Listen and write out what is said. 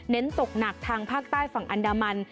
ตกหนักทางภาคใต้ฝั่งอันดามัน